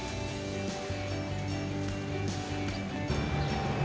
saya juga punya kesempatan untuk berhasil